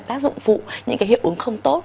tác dụng phụ những cái hiệu ứng không tốt